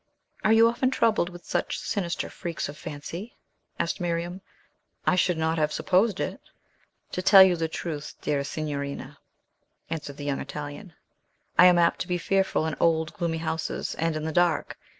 "Are you often troubled with such sinister freaks of fancy?" asked Miriam. "I should not have supposed it." "To tell you the truth, dearest signorina," answered the young Italian, "I am apt to be fearful in old, gloomy houses, and in the dark.